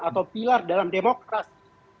atau pilar dalam demokrasi